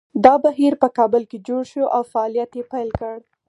دا بهیر په کابل کې جوړ شو او فعالیت یې پیل کړ